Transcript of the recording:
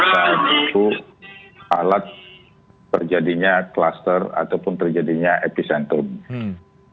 hal itu alat terjadinya cluster ataupun terjadinya episentrum